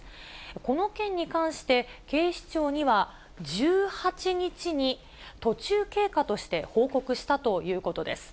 この件に関して、警視庁には１８日に、途中経過として報告したということです。